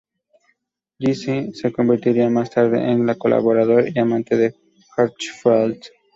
Giese se convertiría más tarde en colaborador y amante de Hirschfeld.